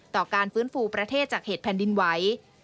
การฟื้นฟูประเทศจากเหตุแผ่นดินไหว